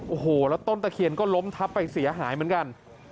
โอ้โหแล้วต้นตะเคียนก็ล้มทับไปเสียหายเหมือนกัน